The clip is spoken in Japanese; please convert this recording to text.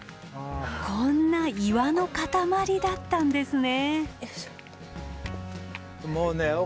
こんな岩の固まりだったんですね。